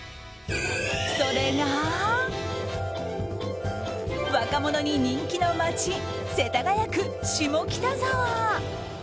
それが、若者に人気の街世田谷区下北沢。